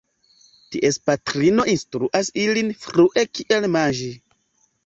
Ties patrino instruas ilin frue kiel manĝi.